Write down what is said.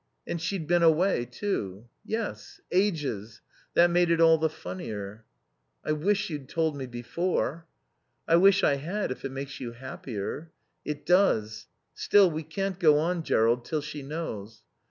"And she'd been away, too." "Yes. Ages. That made it all the funnier." "I wish you'd told me before." "I wish I had, if it makes you happier." "It does. Still, we can't go on, Jerrold, till she knows."